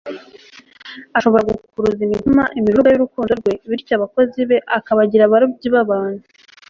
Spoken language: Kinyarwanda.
ashobora gukuruza imitima imiruruga y'urukundo rwe, bityo abakozi be akabagira abarobyi b'abantu.